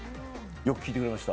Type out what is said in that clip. よく聞いてくれました。